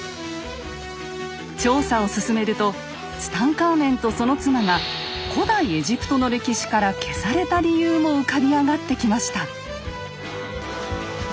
調査を進めるとツタンカーメンとその妻が古代エジプトの歴史から消された理由も浮かび上がってきました。